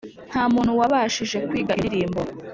Nta muntu wabashije kwiga iyo ndirimbo,